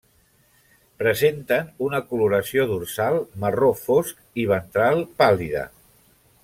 Presenten una coloració dorsal marró fosc i ventral pàl·lida.